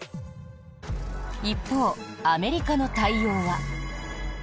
一方、アメリカの対応は。